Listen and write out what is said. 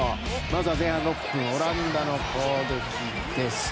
まずは前半６分オランダの攻撃です。